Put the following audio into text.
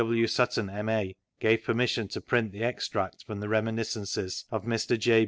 W. Sutton, M.A.) gave permission to print the Extract from the Re miniscences of Mr. J.